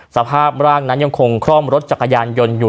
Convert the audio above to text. สภาพร่างนั้นยังคงคล่อมรถจักรยานยนต์อยู่